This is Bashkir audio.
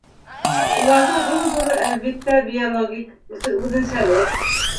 Уларҙың иң ҙуры, әлбиттә, биологик үҙенсәлек.